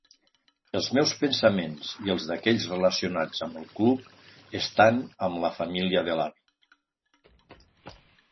Els meus pensaments i els d'aquells relacionats amb el club estan amb la família de l'Avi.